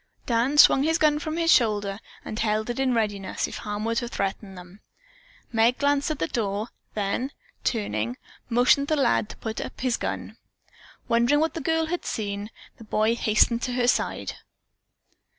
Dan swung his gun from his shoulder and held it in readiness if harm were to threaten them. Meg glanced at the door, then turning, motioned the lad to put up his gun. Wondering what the girl had seen, the boy hastened to her side.